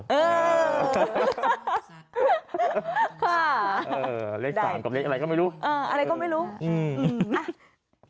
เออค่ะเออเลขสามกับเลขอะไรก็ไม่รู้เอออะไรก็ไม่รู้อืม